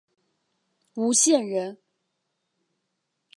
吴县人。